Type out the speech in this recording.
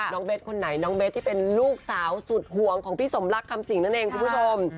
เบสคนไหนน้องเบสที่เป็นลูกสาวสุดห่วงของพี่สมรักคำสิงนั่นเองคุณผู้ชม